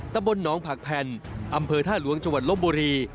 ตำบลหนองผักแผ่นอำเภอท่าหลวงจังหวัดลบบุรี